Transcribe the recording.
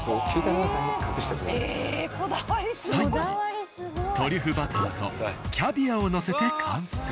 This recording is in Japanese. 最後にトリュフバターとキャビアをのせて完成。